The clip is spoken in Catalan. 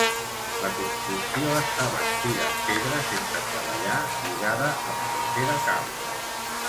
La construcció està bastida en pedra sense treballar lligada amb morter de calç.